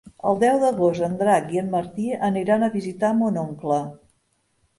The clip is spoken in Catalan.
El deu d'agost en Drac i en Martí aniran a visitar mon oncle.